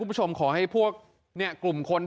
รูปเค้าแอบถ่ายไว้แล้วแล้วก็พร้อมกับทะเบียนรถ